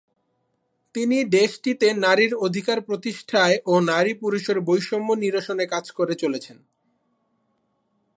তিনি দেশটিতে নারীর অধিকার প্রতিষ্ঠায় ও নারী পুরুষের বৈষম্য নিরসনে কাজ করে চলেছেন।